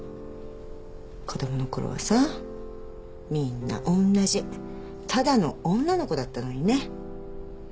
子供のころはさみんなおんなじただの女の子だったのにね。